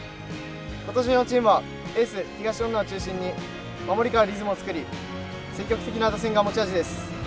今年のチームはエース・東恩納を中心に守りからリズムを作り積極的な打線が持ち味です。